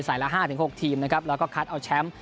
สายละ๕๖ทีมแล้วก็คัดเอาแชมป์